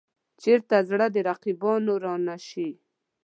چېرته زړه د رقیبانو را نه شي.